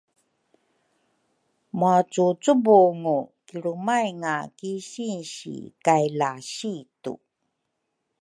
muacucubungu kilrumaynga ki sinsi kay lasitu.